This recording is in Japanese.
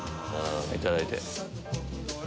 いただいて。